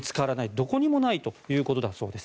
どこにもないということです。